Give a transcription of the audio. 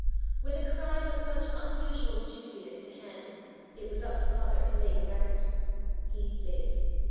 With a crime of such unusual juiciness to handle, it was up to father to make a record. He did.